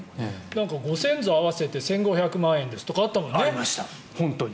ご先祖合わせて１５００万円ですとかあったもんね。